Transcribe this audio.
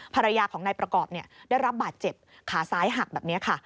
ภรรยาของนายประกอบได้รับบาดเจ็บขาซ้ายหักแบบนี้ค่ะ